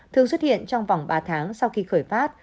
thường xuất hiện trong vòng ba tháng sau khi khởi phát